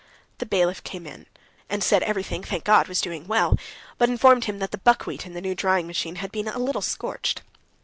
The bailiff came in, and said everything, thank God, was doing well; but informed him that the buckwheat in the new drying machine had been a little scorched.